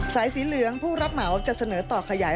สายสีเหลืองผู้รับเหมาจะเสนอต่อขยาย